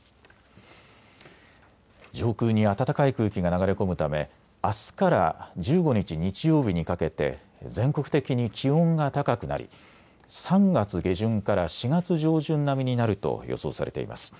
上空に暖かい空気が流れ込むためあすから１５日日曜日にかけて全国的に気温が高くなり３月下旬から４月上旬並みになると予想されています。